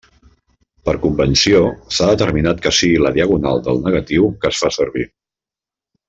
Per convenció s'ha determinat que sigui la diagonal del negatiu que es fa servir.